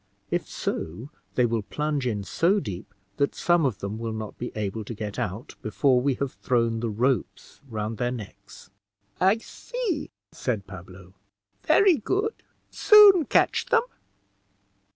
If so, they will plunge in so deep that some of them will not be able to get out before we have thrown the ropes round their necks." "I see," said Pablo; "very good soon catch them."